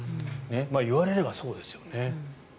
言われればそうですよね。